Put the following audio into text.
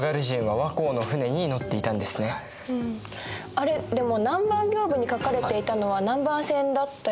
あれっでも南蛮屏風に描かれていたのは南蛮船だったよね。